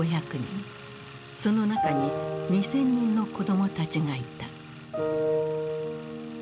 その中に２，０００人の子供たちがいた。